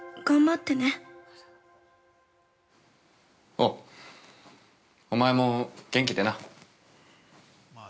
◆おう、お前も元気でな。